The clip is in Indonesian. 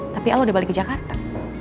tapi allah udah balik ke jakarta